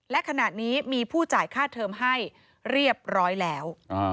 และขณะนี้มีผู้จ่ายค่าเทอมให้เรียบร้อยแล้ว